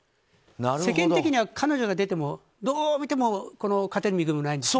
世間的には彼女が出てもどう見ても勝てる見込みがないので。